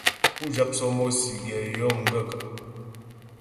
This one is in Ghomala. Pú jáp sɔ́mɔ́sì gɛ yó m gaə̂kə́ ?